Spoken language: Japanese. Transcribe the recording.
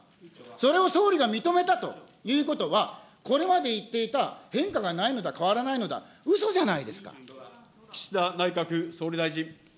それを総理が認めたということは、これまで言っていた変化がないのだ、変わらないのだ、うそじゃないですか。